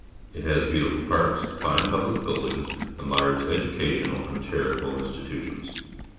It has beautiful parks, fine public buildings, and large educational and charitable institutions.